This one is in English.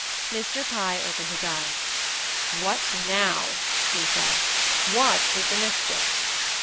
Mr. Pye opened his eyes. "What now?" he asked. "What is the mischief?"